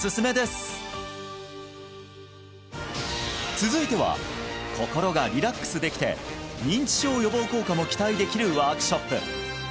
続いては心がリラックスできて認知症予防効果も期待できるワークショップ